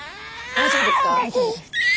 大丈夫です。